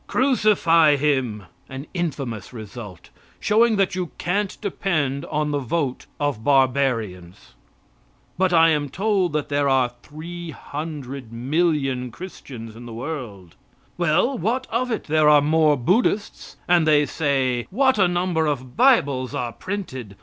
"Crucify Him " an infamous result, showing that you can't depend on the vote of barbarians. But I am told that there are 300,000,000 Christians in the world. Well, what of it? There are more Buddhists. And they say, what a number of bibles are printed!